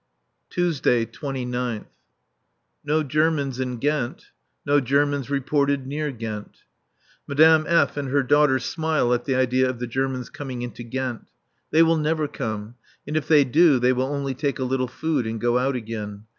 [Tuesday, 29th.] No Germans in Ghent. No Germans reported near Ghent. Madame F. and her daughter smile at the idea of the Germans coming into Ghent. They will never come, and if they do come they will only take a little food and go out again.